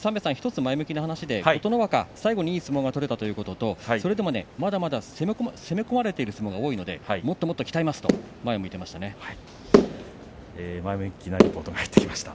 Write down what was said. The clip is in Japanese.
１つ前向きな話で琴ノ若最後に１ついい相撲が取れたということとそれでもまだまだ攻め込まれている相撲が多いのでもっともっと鍛えますと前を向いていました。